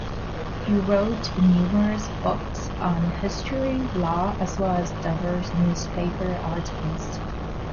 He wrote numerous books, on history, law, as well as diverse newspaper articles.